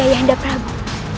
tapi ayah anda prabu